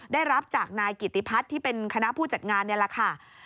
ได้รับจากนายกิติพัฒน์ที่เป็นคณะผู้จัดงานนี่แหละค่ะ